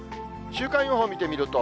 週間予報見てみると。